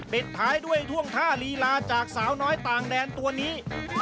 ปิดท้ายด้วยท่วงท่าลีลาจากสาวน้อยต่างแดนตัวนี้